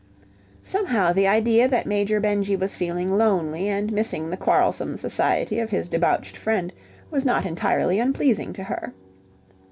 ... Somehow the idea that Major Benjy was feeling lonely and missing the quarrelsome society of his debauched friend was not entirely unpleasing to her.